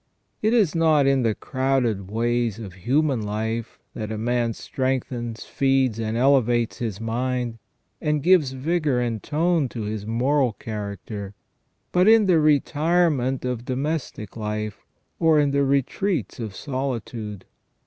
It is not in the crowded ways of human life that a man strengthens, feeds, and elevates his mind, and gives vigour and tone to his moral character, but in the retirement of domestic life, or in the retreats of solitude.